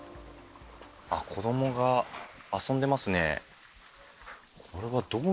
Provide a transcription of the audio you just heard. あっ、子どもが遊んでますね。